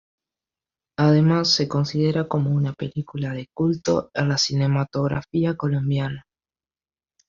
Además, se considera como una película de culto en la cinematografía colombiana.